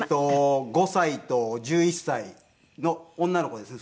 ５歳と１１歳の女の子ですね